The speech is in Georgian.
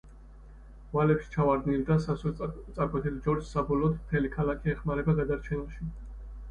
ვალებში ჩავარდნილ და სასოწარკვეთილ ჯორჯს საბოლოოდ მთელი ქალაქი ეხმარება გადარჩენაში.